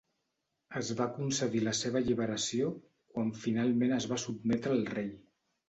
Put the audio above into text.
Es va concedir la seva alliberació quan finalment es va sotmetre al rei.